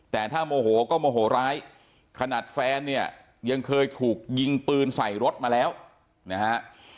แต่ถ้าโมโหก็โมโหร้ายขนาดแฟนเนี่ยยังเคยถูกยิงปืนใส่รถมาแล้วนะฮะ